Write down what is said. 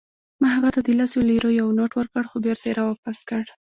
ما هغه ته د لسو لیرو یو نوټ ورکړ، خو بیرته يې راواپس کړ.